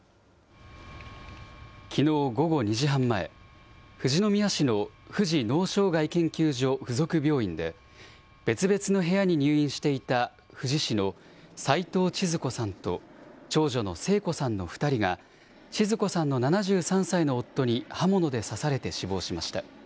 きのう午後２時半前、富士宮市の富士脳障害研究所附属病院で、別々の部屋に入院していた富士市の齊藤ちづ子さんと長女の聖子さんの２人が、ちづ子さんの７３歳の夫に刃物で刺されて死亡しました。